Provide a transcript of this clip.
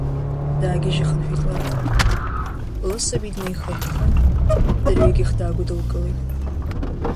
Даагьежьыхынҳәит лара, лысаби днеихаххын, дырҩегьых даагәыдылкылеит.